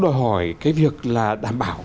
đòi hỏi cái việc là đảm bảo